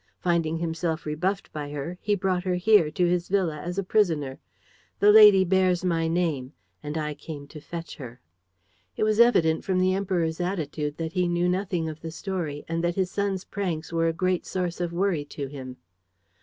Finding himself rebuffed by her, he brought her here, to his villa, as a prisoner. The lady bears my name; and I came to fetch her." It was evident from the Emperor's attitude that he knew nothing of the story and that his son's pranks were a great source of worry to him.